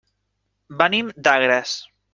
Venim d'Agres.